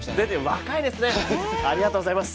若いですね、ありがとうございます。